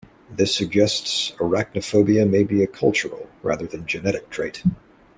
This suggests arachnophobia may be a cultural, rather than genetic trait.